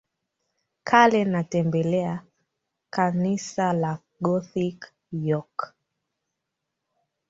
Kale na tembelea Kanisa la Gothic York